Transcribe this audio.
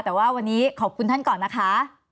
แต่ว่าวันนี้ขอบคุณท่านก่อนนะคะ